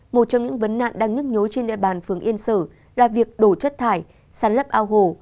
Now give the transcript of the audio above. một trong những vấn nạn đang nhức nhối trên địa bàn phường yên sở là việc đổ chất thải sắn lấp ao hồ